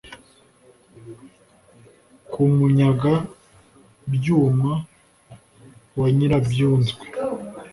kumunyaga byuma wa nyirabyunzwe.